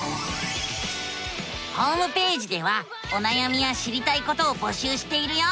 ホームページではおなやみや知りたいことをぼしゅうしているよ。